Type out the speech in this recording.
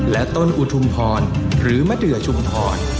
และต้นอุทุมพรหรือมะเดือชุมพร